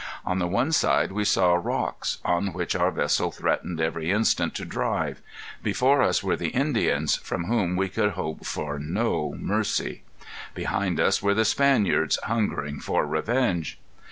On the one side we saw rocks, on which our vessel threatened every instant to drive. Before us were the Indians, from whom we could hope for no mercy. Behind us were the Spaniards, hungering for revenge."